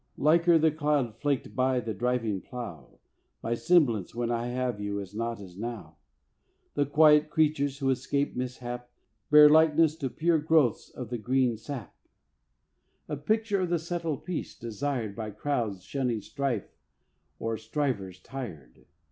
Liker the clod flaked by the driving plough, My semblance when I have you not as now. The quiet creatures who escape mishap Bear likeness to pure growths of the green sap: A picture of the settled peace desired By cowards shunning strife or strivers tired.